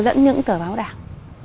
lẫn những tờ báo đảng